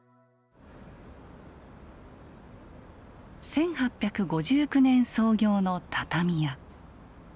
１８５９年創業の畳屋。